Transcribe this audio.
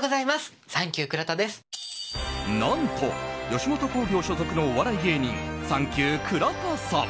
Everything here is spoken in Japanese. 何と吉本興業所属のお笑い芸人さん